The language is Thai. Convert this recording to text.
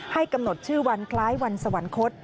กำหนดชื่อวันคล้ายวันสวรรคต